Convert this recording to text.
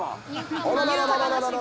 あらららら。